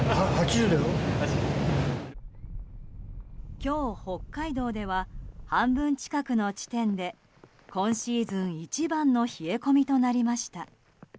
今日、北海道では半分近くの地点で今シーズン一番の冷え込みとなりました。